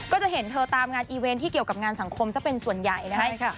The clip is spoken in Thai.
ก็จะเห็นเธอตามงานอีเวนต์ที่เกี่ยวกับงานสังคมซะเป็นส่วนใหญ่นะครับ